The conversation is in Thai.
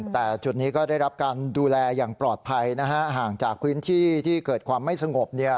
แต่จุดนี้ก็ได้รับการดูแลอย่างปลอดภัยนะฮะห่างจากพื้นที่ที่เกิดความไม่สงบ